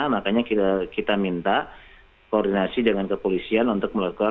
makanya kita minta koordinasi dengan kepolisian untuk melakukan